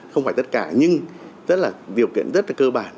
không phải tất cả nhưng rất là điều kiện rất là cơ bản